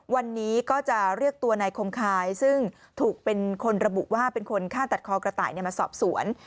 วันนี้ก็จะเรียกตัวนายคมคายซึ่งถูกเป็นคนระบุว่าเป็นคนฆ่าตัดคอกระต่ายมาสอบสวน